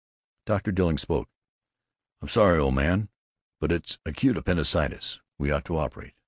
Dr. Dilling spoke: "I'm sorry, old man, but it's acute appendicitis. We ought to operate.